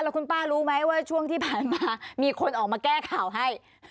แล้วคุณป้ารู้ไหมว่าช่วงที่ผ่านมามีคนออกมาแก้ข่าวให้